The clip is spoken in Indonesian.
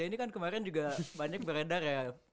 ini kan kemarin juga banyak beredar ya